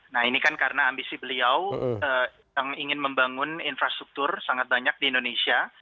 nah ini kan karena ambisi beliau yang ingin membangun infrastruktur sangat banyak di indonesia